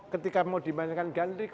ketika mau dimainkan gandrik